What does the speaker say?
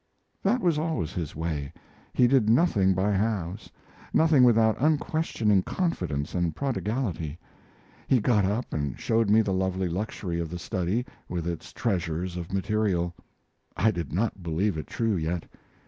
That was always his way. He did nothing by halves; nothing without unquestioning confidence and prodigality. He got up and showed me the lovely luxury of the study, with its treasures of material. I did not believe it true yet.